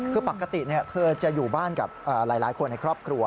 คือปกติเธอจะอยู่บ้านกับหลายคนในครอบครัว